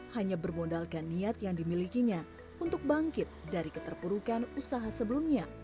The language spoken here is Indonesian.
hanya bermodalkan niat yang dimilikinya untuk bangkit dari keterpurukan usaha sebelumnya